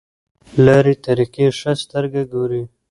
لارې طریقې ښه سترګه ګوري.